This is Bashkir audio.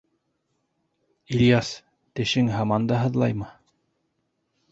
— Ильяс, тешең һаман да һыҙлаймы?